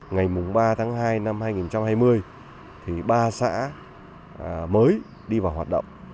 ngày ba tháng hai năm hai nghìn hai mươi ba xã mới đi vào hoạt động